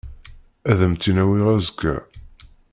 Ad am-tt-in-awiɣ azekka.